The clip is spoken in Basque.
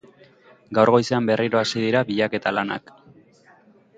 Gaur goizean berriro hasi dira bilaketa-lanak.